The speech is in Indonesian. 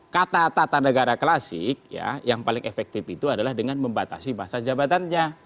kata tata negara klasik yang paling efektif itu adalah dengan membatasi masa jabatannya